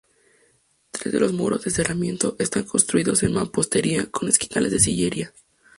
Tres de los muros de cerramiento están construidos en mampostería con esquinales de sillería.